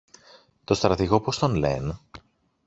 το στρατηγό πώς τον λεν;